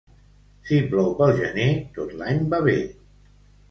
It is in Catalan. Si plou pel gener, tot l'any va bé.